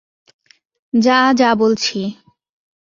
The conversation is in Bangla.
যা, যা বলছি!